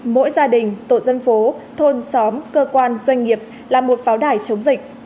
mỗi gia đình tổ dân phố thôn xóm cơ quan doanh nghiệp là một pháo đài chống dịch